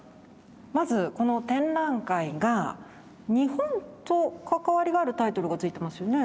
まずこの展覧会が日本と関わりがあるタイトルがついてますよね。